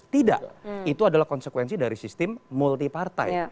tidak itu adalah konsekuensi dari sistem multi partai